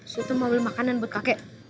su tu mau beli makanan buat kakek